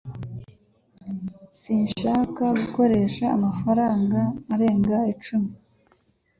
Sinshaka gukoresha amafaranga arenga icumi